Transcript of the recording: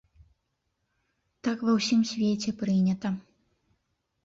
Так ва ўсім свеце прынята.